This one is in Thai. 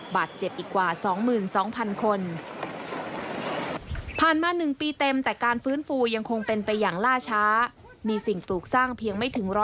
บัดเจ็บอีกกว่า๒๒๐๐๐คน